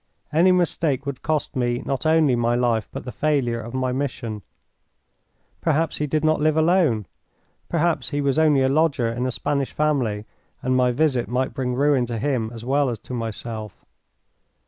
Any mistake would cost me not only my life but the failure of my mission. Perhaps he did not live alone. Perhaps he was only a lodger in a Spanish family, and my visit might bring ruin to him as well as to myself.